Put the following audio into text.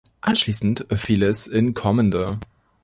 Anschließend fiel es in Kommende.